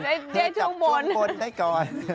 ได้ช่วงบนได้จับช่วงบนได้ก่อน